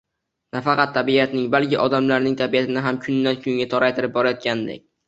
Nafaqat tabiatning, balki odamlarning tabiatini ham kundan-kunga toraytirib borayotgandek